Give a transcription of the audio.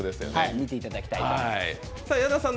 見ていただきたいと思います。